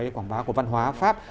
quảng bá của văn hóa pháp